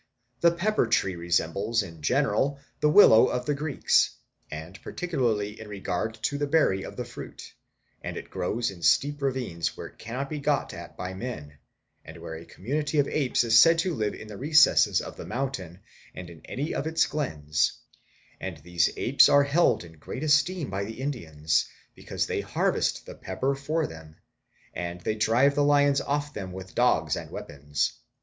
The pepper tree resembles in general the SP re willow of the Greeks, and particularly in regard tothe berry of the fruit; and it grows in steep ravines where it cannot be got at by men, and where a community of apes is said to live in the recesses of _ the mountain and in any of its glens ; and these apes _ are held in great esteem by the Indians, because they _ harvest the pepper for them, and they drive the lions _ off them with dogs and weapons.